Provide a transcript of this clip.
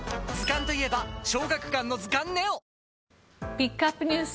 ピックアップＮＥＷＳ